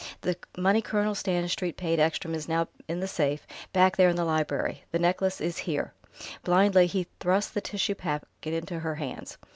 The money Colonel Stanistreet paid Ekstrom is now in the safe, back there in the library. The necklace is ... here." Blindly he thrust the tissue packet into her hands.